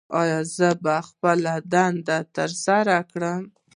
ایا زه به خپله دنده ترسره کړم؟